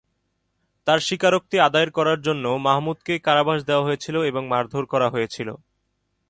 তাঁর স্বীকারোক্তি আদায়ের করার জন্য মাহমুদকে কারাবাস দেয়া হয়েছিল এবং মারধর করা হয়েছিল।